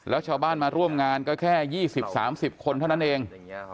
แล้วชาวบ้านมาร่วมงานก็แค่๒๐๓๐คนเท่านั้นเอง